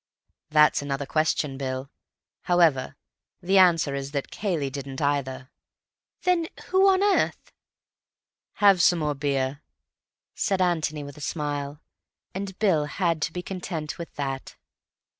"That's another question, Bill. However, the answer is that Cayley didn't, either." "Then who on earth—" "Have some more beer," said Antony with a smile. And Bill had to be content with that.